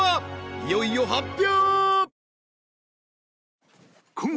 いよいよ発表！